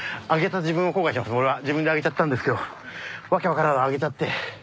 自分で上げちゃったんですけど訳分からず上げちゃって。